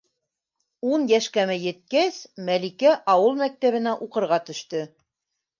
Ун йәшкәме еткәс, Мәликә ауыл мәктәбенә уҡырға төштө.